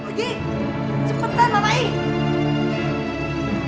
pergi cepetan mama ingin